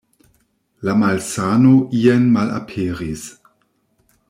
La malsano ien malaperis.